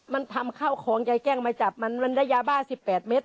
มันทำข้าวของยายแกล้งมาจับมันมันได้ยาบ้าสิบแปดเม็ด